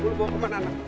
bulu bawa kemana anak